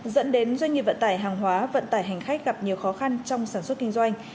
dẫn đến doanh nghiệp vận tải hàng hóa vận tải hành khách gặp nhiều khó khăn trong sản xuất kinh doanh